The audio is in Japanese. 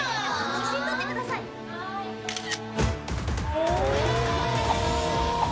写真撮ってくださいおー！